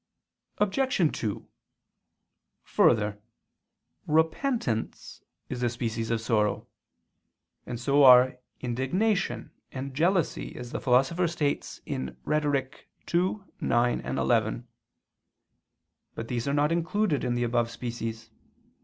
Obj. 2: Further, Repentance is a species of sorrow; and so are indignation and jealousy, as the Philosopher states (Rhet. ii, 9, 11). But these are not included in the above species.